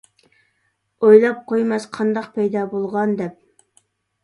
ئويلاپ قويماس قانداق پەيدا بولغان؟ دەپ.